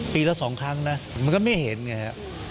ปีละ๒ครั้งนะมันก็ไม่เห็นไงฮะ